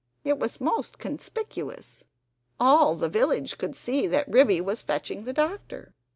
It was most conspicuous. All the village could see that Ribby was fetching the doctor.